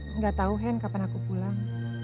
tidak tahu hen kapan aku pulang